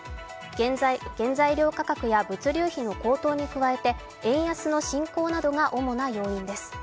原材料価格や物流費の高騰などに加えて円安の進行などが主な要因です。